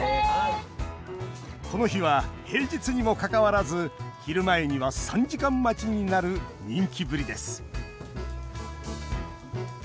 この日は平日にもかかわらず昼前には３時間待ちになる人気ぶりです。